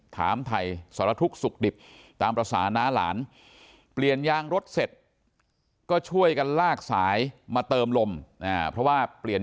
ถามไทยสตรธุคสุขดิบตามประสาน้าหลาน